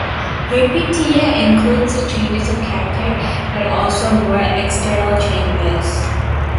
Peripeteia includes changes of character, but also more external changes.